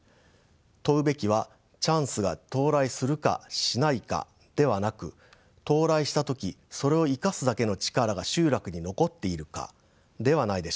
問うべきはチャンスが到来するかしないかではなく到来した時それを生かすだけの力が集落に残っているかではないでしょうか。